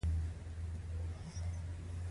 دوی د رالز په وینا د پردې تر شا دي.